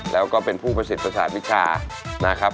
แล้วก็เป็นผู้ประสิทธิประสาทวิชานะครับ